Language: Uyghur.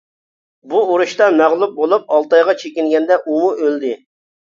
بۇ ئۇرۇشتا مەغلۇپ بولۇپ، ئالتايغا چېكىنگەندە ئۇمۇ ئۆلدى.